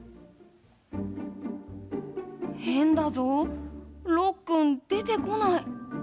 へんだぞ、ろっくんでてこない。